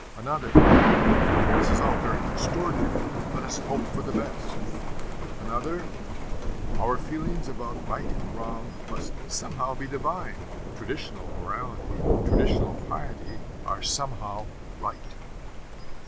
Another, 'This is all very extraordinary: let us hope for the best.' Another, 'Our feelings about right and wrong must somehow be divine; traditional morality, traditional piety, are somehow right.'